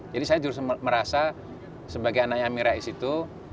jadi saya justru merasa sebagai anaknya mirais itu